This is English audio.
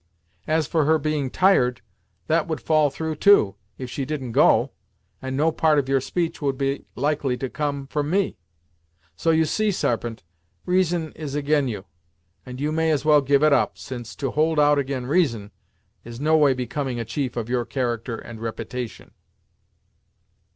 As for her being tired, that would fall through too, if she didn't go, and no part of your speech would be likely to come from me; so, you see, Sarpent, reason is ag'in you, and you may as well give it up, since to hold out ag'in reason, is no way becoming a chief of your character and repitation."